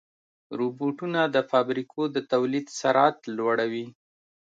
روبوټونه د فابریکو د تولید سرعت لوړوي.